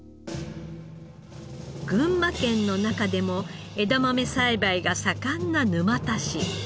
群馬県の中でも枝豆栽培が盛んな沼田市。